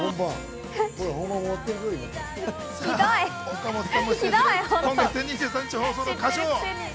岡本さんも出演する今月２３日放送の『歌唱王』。